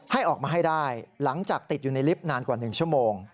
ให้ออกมาให้ได้หลังจากติดอยู่ในลิฟต์นานกว่า๑ชั่วโมง